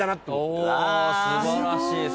お素晴らしいです。